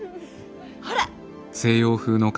ほら。